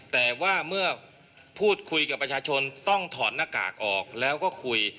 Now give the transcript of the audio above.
แต่ว่าเมื่อพูดคุยกับประชาชนต้องถอดหน้ากากออกแล้วก็คุย